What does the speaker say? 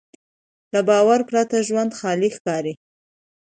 له باور پرته ژوند خالي ښکاري.